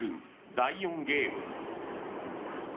第４ゲーム。